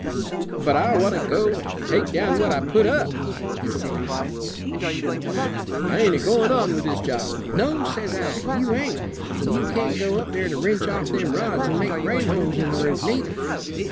'But I want to go and take down what I put up,' he says; 'I ain't a goin' on with this job.' 'No,' says I, 'you ain't; and you can't go up there to wrench off them rods and make rain holes in the roof, neither.'